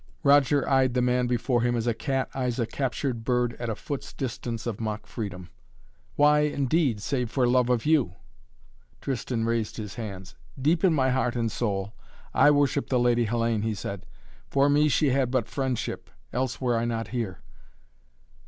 Roger eyed the man before him as a cat eyes a captured bird at a foot's distance of mock freedom. "Why, indeed, save for love of you?" Tristan raised his hands. "Deep in my heart and soul I worship the Lady Hellayne," he said. "For me she had but friendship. Else were I not here!"